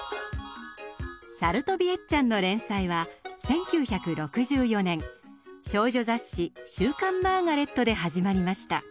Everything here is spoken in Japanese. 「さるとびエッちゃん」の連載は１９６４年少女雑誌「週刊マーガレット」で始まりました。